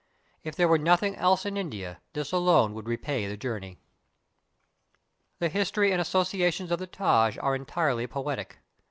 If there were nothing else in India, this alone would repay the journey. The histor}^ and associations of the Taj are entirely poetic.